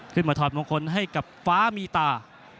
ถอดมงคลให้กับฟ้ามีตา